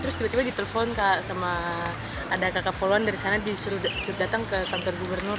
saya diterpon sama ada kakak poluan dari sana disuruh datang ke kantor gubernur